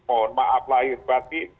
mohon maaf lahir batik